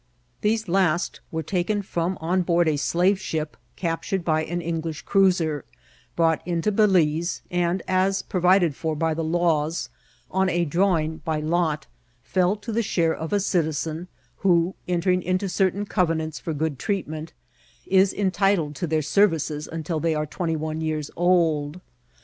These laiBt were taken from on board a slave ship captured by an English cruiser, brought into Balize, and, as provi ded for by the laws, on a drawing by lot, fell to the share of a citizen, who, entering into certain covenants for good treatment, is entitled to their services until they are twenty one years old.